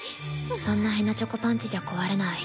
そんなへなちょこパンチじゃ壊れない。